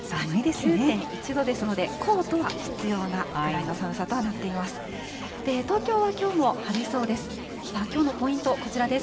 ９．１度ですので、コートは必要なくらいの寒さとなっています。